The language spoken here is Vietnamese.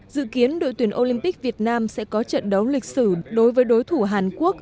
dự kiến đội tuyển olympic việt nam sẽ có trận đấu lịch sử đối với đối thủ hàn quốc